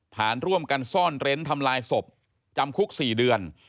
ฐานร่วมกันซ่อนเร้นทำลายศพจำคุก๔เดือน